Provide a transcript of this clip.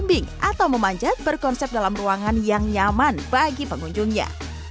kambing atau memanjat berkonsep dalam ruangan yang nyaman bagi pengunjungnya